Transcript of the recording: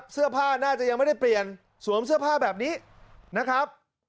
เสื้อผ้าน่าจะยังไม่ได้เปลี่ยนสวมเสื้อผ้าแบบนี้นะครับ